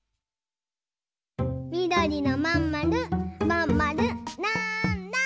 みどりのまんまるまんまるなんだ？